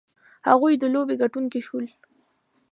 هغوی د لوبې ګټونکي شول.